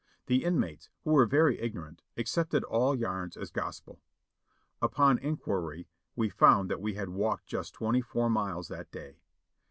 The inmates, who were very ignorant, accepted all yarns as gospel. Upon inquiry we found that we had walked just twenty four miles that day.